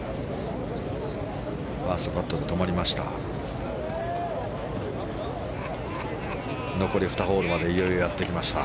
ファーストカットで止まりました。